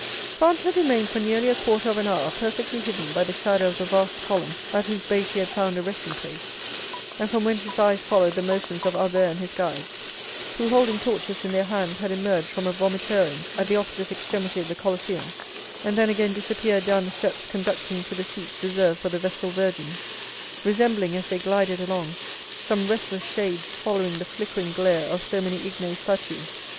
Franz had remained for nearly a quarter of an hour perfectly hidden by the shadow of the vast column at whose base he had found a resting place, and from whence his eyes followed the motions of Albert and his guides, who, holding torches in their hands, had emerged from a vomitorium at the opposite extremity of the Colosseum, and then again disappeared down the steps conducting to the seats reserved for the Vestal virgins, resembling, as they glided along, some restless shades following the flickering glare of so many ignes fatui.